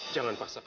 jangan paksa kamila